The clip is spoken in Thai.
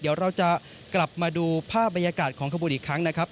เดี๋ยวเราจะกลับมาดูภาพบรรยากาศของขบวนอีกครั้งนะครับ